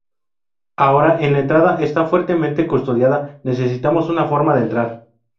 Ahora, la entrada está fuertemente custodiada. Necesitamos una forma de entrar.